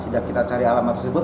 dan kita cari alamat tersebut